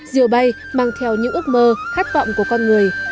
diều bay mang theo những ước mơ khát vọng của con người